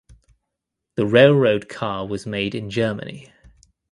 The railroad car was made in Germany.